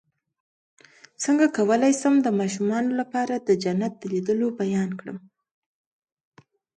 څنګه کولی شم د ماشومانو لپاره د جنت د لیدلو بیان کړم